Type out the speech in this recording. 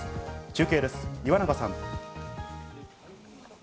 中継です、岩永さん。